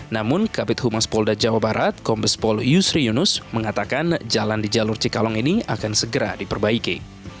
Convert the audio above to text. namun kabit humas polda jawa barat kombespol yusri yunus mengatakan jalan di jalur cikalong ini akan segera diperbaiki